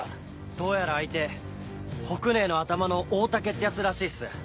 どうやら相手北根壊の頭の大嶽ってヤツらしいっす。